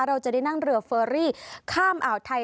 เราจะได้นั่งเรือเฟอรี่ข้ามอ่าวไทย